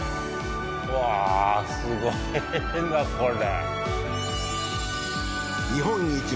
うわぁすごいなこれ。